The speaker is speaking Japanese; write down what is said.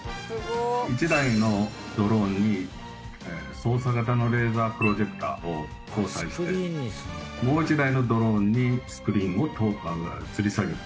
１台のドローンに走査型のレーザープロジェクターを搭載してもう一台のドローンにスクリーンをつり下げる。